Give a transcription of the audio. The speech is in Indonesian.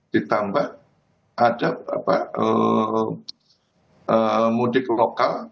ditambah ada mudik lokal